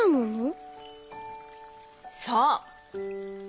そう。